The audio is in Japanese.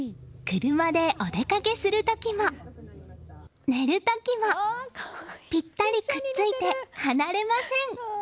車でお出かけする時も寝る時もぴったりくっついて離れません。